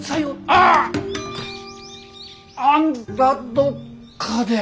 あんたどっかで。